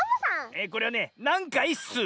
えこれはね「なんかいっすー」。